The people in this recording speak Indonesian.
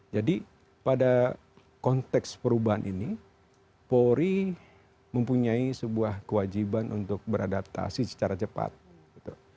jadi pada konteks perubahan ini pori mempunyai sebuah kewajiban untuk beradaptasi secara cepat gitu